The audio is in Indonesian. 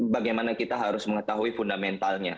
bagaimana kita harus mengetahui fundamentalnya